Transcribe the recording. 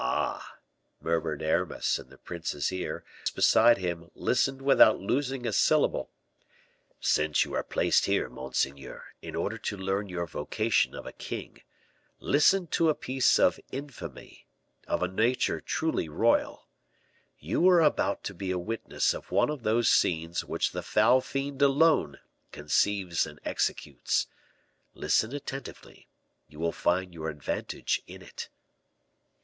"Ah!" murmured Aramis, in the prince's ear, who, close beside him, listened without losing a syllable, "since you are placed here, monseigneur, in order to learn your vocation of a king, listen to a piece of infamy of a nature truly royal. You are about to be a witness of one of those scenes which the foul fiend alone conceives and executes. Listen attentively, you will find your advantage in it."